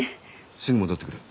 すぐ戻ってくる。